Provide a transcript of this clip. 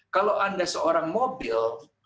kalau anda seorang mobil